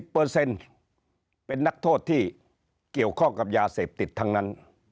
๗๐เปอร์เซ็นต์เป็นนักโทษที่เกี่ยวข้องกับยาเสพติดทั้งนั้น